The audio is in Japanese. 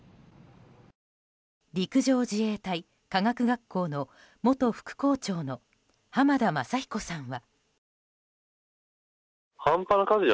陸上自衛隊化学学校の元副校長の濱田昌彦さんは。